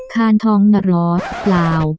คานท้องหรอเปล่า